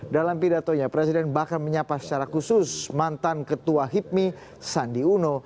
dalam pidatonya presiden bahkan menyapa secara khusus mantan ketua hipmi sandi uno